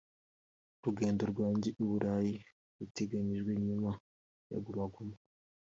“Urugendo rwanjye i Burayi ruteganyijwe nyuma ya Guma Guma